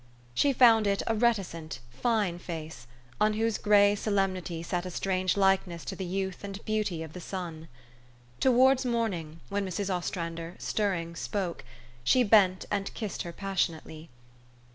She found it a reticent, fine face, on whose gray solemnity sat a strange likeness to the youth and beauty of the son. Towards morning, when Mrs. Ostrander, stirring, spoke, she bent, and kissed her passionately.